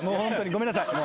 ごめんなさい。